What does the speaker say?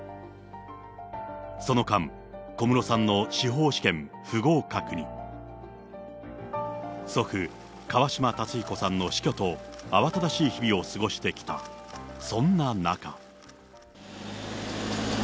その間、小室さんの司法試験不合格に、祖父、川嶋辰彦さんの死去と、慌ただしい日々を過ごしてきた、そんな中。